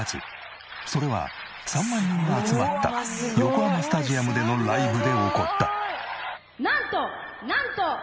それは３万人が集まった横浜スタジアムでのライブで起こった。